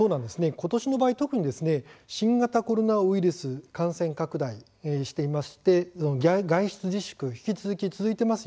ことしの場合、特に新型コロナウイルスの感染が拡大していて外出自粛が引き続き続いています。